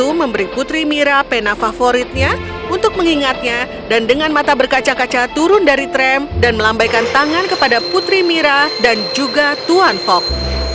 jokowi memberi putri mira pena favoritnya untuk mengingatnya dan dengan mata berkaca kaca turun dari tram dan melambaikan tangan kepada putri mira dan juga tuan fok